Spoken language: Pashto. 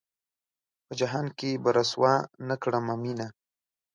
پۀ جهان کښې به رسوا نۀ کړمه مينه